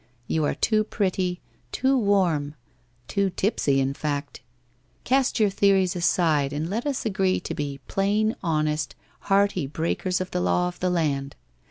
You are too pretty, too warm, too tipsy, in fact Cast your theories aside and let us agree to be plain honest hearty breakers of the law of the land.